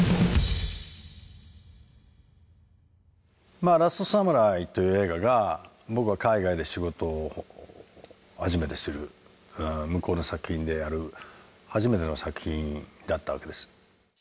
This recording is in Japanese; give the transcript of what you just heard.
まあ「ラストサムライ」という映画が僕が海外で仕事を初めてする向こうの作品でやる初めての作品だったわけです。